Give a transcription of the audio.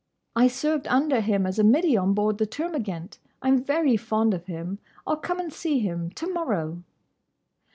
I served under him as a middy on board the Termagant. I 'm very fond of him. I 'll come and see him to morrow!"